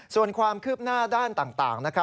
ส่วนความคืบหน้าด้านต่างนะครับ